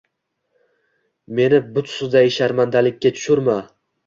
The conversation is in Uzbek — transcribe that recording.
Meni butsday sharmandalikka tushirma!